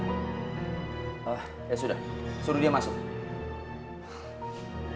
wah ya sudah suruh dia masuk